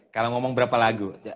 kalau ngomong berapa lagu